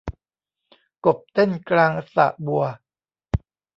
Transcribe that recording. กบเต้นกลางสระบัว